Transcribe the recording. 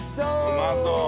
うまそう。